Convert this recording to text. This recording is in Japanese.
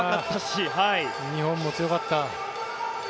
日本も強かった。